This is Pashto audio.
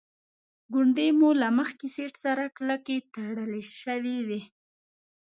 ګونډې مو له مخکې سیټ سره کلکې تړل شوې وې.